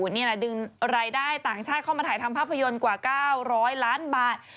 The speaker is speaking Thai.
นี่แหละดึงรายได้ต่างชาติเข้ามาถ่ายทำภาพยนตร์กว่า๙๐๐ล้านบาท